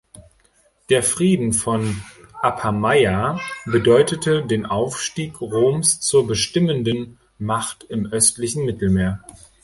Der Frieden von Apameia bedeutete den Aufstieg Roms zur bestimmenden Macht im östlichen Mittelmeer.